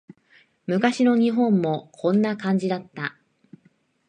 昔の日本もこんな感じだった